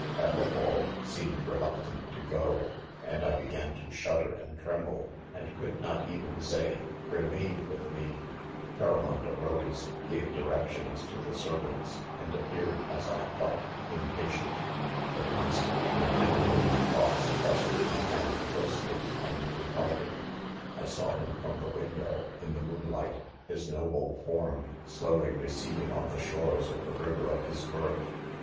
'Ethelwald seemed reluctant to go j and 1 began to shudder and tremble, andt could not ©Fen say remain with me, Phaiamond arose , gave directions to the servants, and appeared as I thought, 'impatient. The constant cam h5 173 IDOMEN. panion of my thoughts pressed my hand ©lose* Jy and departed. 4 1 saw him from the window ? in the moon light, his noble form, slowly receding on the shores of the xiver of ]^is birth.